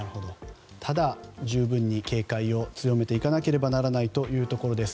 ただ、十分に警戒を強めていかなければならないところです。